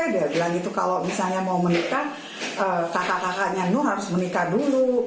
dia bilang gitu kalau misalnya mau menikah kakak kakaknya nu harus menikah dulu